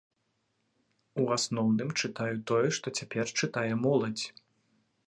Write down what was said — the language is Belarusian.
У асноўным, чытаю тое, што цяпер чытае моладзь.